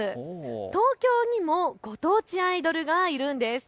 東京にもご当地アイドルがいるんです。